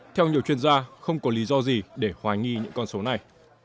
theo nhiều chuyên gia không có lý do gì để hoài nghi những con số này